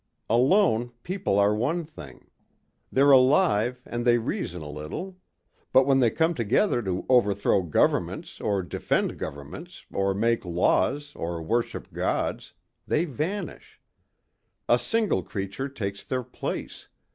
Alone people are one thing. They're alive and they reason a little. But when they come together to overthrow governments or defend governments or make laws or worship Gods, they vanish. A single creature takes their place.